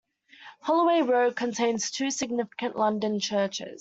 Holloway Road contains two significant London churches.